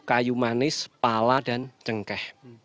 kayu manis pala dan cengkeh